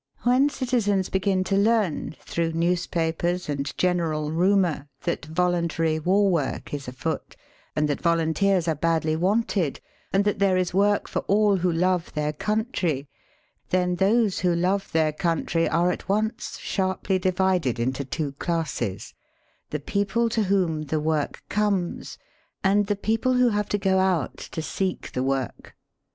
When citizens begin to learn, through news papers and general rumour, that voluntary war work is afoot, and that volunteers are badly wanted, and that there is work for all who love their country, then those who love their country are at once sharply divided into two classes — ^the people to whom the work comes, and the people who have to go out to seek the work.